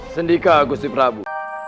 sendika agusti prabu